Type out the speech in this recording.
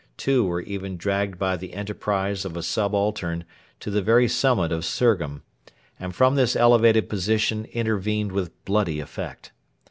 Two were even dragged by the enterprise of a subaltern to the very summit of Surgham, and from this elevated position intervened with bloody effect.